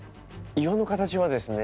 岩の形はですね